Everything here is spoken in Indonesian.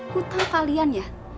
hutang kalian ya